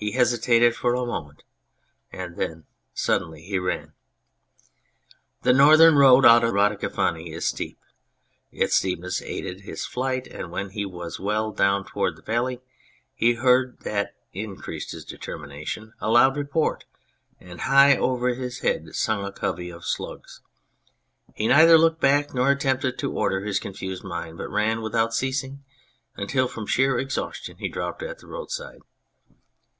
He hesitated for a moment, and then suddenly he ran. ... The northern road out of Radicofani is steep : its steepness aided his flight, and when he was well down toward the valley he heard (and that increased his determination) a loud report, and high over his head sung a covey of slugs. He neither looked back nor attempted to order his confused mind, but ran without ceasing until from sheer exhaustion he dropped at the roadside.